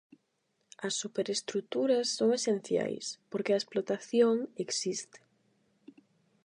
As superestruturas son esenciais porque a explotación existe.